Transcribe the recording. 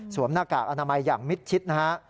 สวมหน้ากากอนามัยอย่างมิดชิด